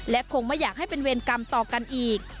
และคงไม่อยากให้เป็นเวรกรรมต่อกันอีก